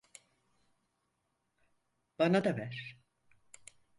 Bana da ver.